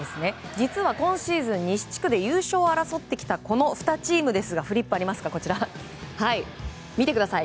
実は、今シーズン西地区で優勝を争ってきたこの２チームですが見てください。